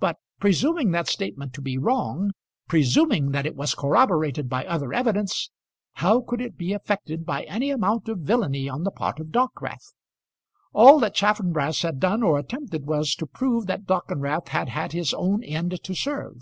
But presuming that statement to be wrong, presuming that it was corroborated by other evidence, how could it be affected by any amount of villainy on the part of Dockwrath? All that Chaffanbrass had done or attempted was to prove that Dockwrath had had his own end to serve.